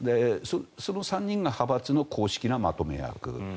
その３人が派閥の公式なまとめ役。